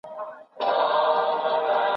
حضوري زده کړه به د زده کوونکو ګډون زيات کړي.